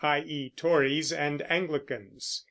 Tories and Anglicans.